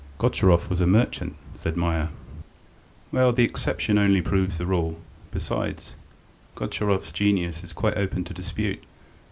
"Gontcharov was a merchant," said Meier. "Well, the exception only proves the rule. Besides, Gontcharov's genius is quite open to dispute.